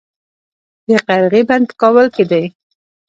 د قرغې بند په کابل کې دی